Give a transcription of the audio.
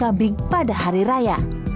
kambing pada hari raya